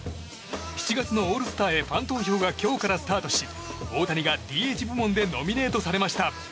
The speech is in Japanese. ７月のオールスターへファン投票が今日からスタートし大谷がＤＨ部門でノミネートされました。